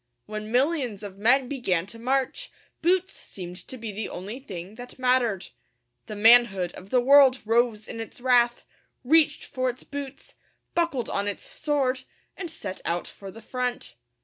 When millions of men began to march, boots seemed to be the only thing that mattered. The manhood of the world rose in its wrath, reached for its boots, buckled on its sword, and set out for the front.